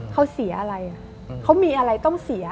เขาเสียอะไรเขามีอะไรต้องเสีย